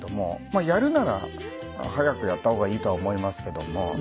やるなら早くやった方がいいとは思いますけども。